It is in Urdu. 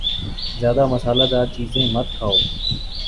زیادہ مصالہ دار چیزیں مت کھاؤ